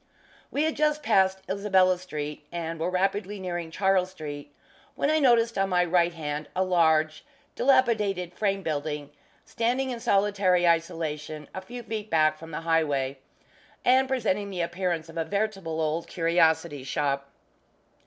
We had just passed Isabella Street, and were rapidly nearing Charles Street, when I noticed on my right hand a large, dilapidated frame building, standing in solitary isolation a few feet back from the highway, and presenting the appearance of a veritable Old Curiosity Shop.